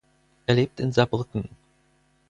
Er lebt in Saarbrücken.